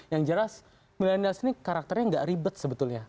yang jelas milenials ini karakternya nggak ribet sebetulnya